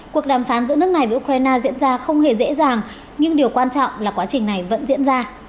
cuộc đàm phán giữa nước này với ukraine diễn ra không hề dễ dàng nhưng điều quan trọng là quá trình này vẫn diễn ra